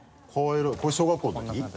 これ小学校のとき？